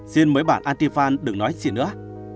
xin mấy bạn antifan đừng nói gì nữa